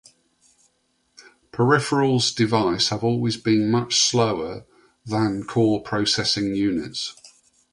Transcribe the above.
Peripherals device have always been much slower than core processing units.